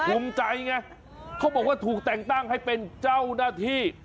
ภูมิใจไงเขาบอกว่าถูกแต่งตั้งให้เป็นเจ้าหน้าที่